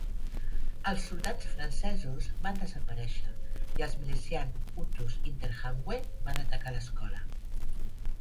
Els soldats francesos van desaparèixer i els milicians hutus interahamwe van atacar l'escola.